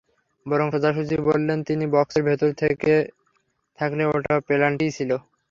বরং সোজাসুজি বললেন, তিনি বক্সের ভেতরে থেকে থাকলে ওটা পেনাল্টিই ছিল।